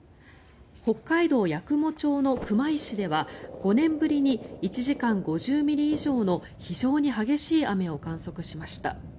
北海道八雲町の熊石では５年ぶりに１時間５０ミリ以上の非常に激しい雨を観測しました。